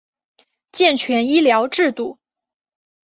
健全医疗制度